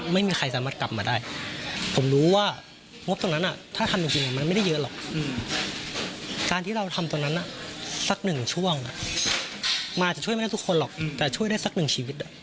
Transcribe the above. ไม่ได้ทุกคนหรอกแต่ช่วยได้สักหนึ่งชีวิต